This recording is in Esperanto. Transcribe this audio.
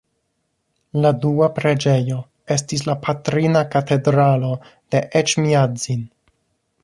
La dua preĝejo estis la Patrina Katedralo de Eĉmiadzin.